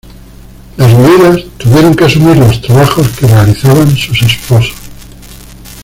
Las viudas tuvieron que asumir los trabajos que realizaban sus esposos.